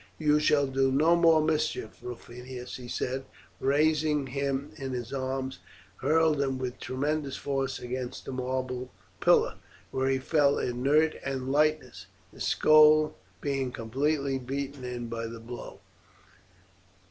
"You shall do no more mischief, Rufinus," he said, and raising him in his arms hurled him with tremendous force against a marble pillar, where he fell inert and lifeless, his skull being completely beaten in by the blow.